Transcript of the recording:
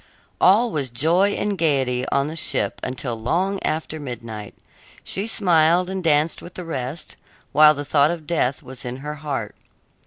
All was joy and gaiety on the ship until long after midnight. She smiled and danced with the rest, while the thought of death was in her heart.